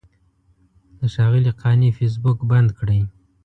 د ښاغلي قانع فیسبوک بند کړی.